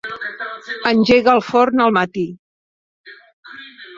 Engega el forn al matí.